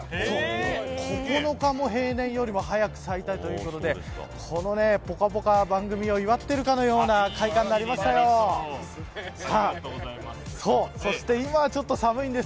９日も平年よりも早く咲いたということでこの、ぽかぽか番組を祝っているかのようなありがとうございます。